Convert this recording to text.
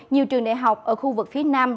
nhiều trường đại học ở khu vực phía nam